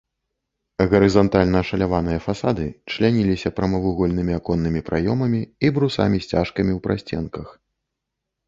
Гарызантальна ашаляваныя фасады чляніліся прамавугольнымі аконнымі праёмамі і брусамі-сцяжкамі ў прасценках.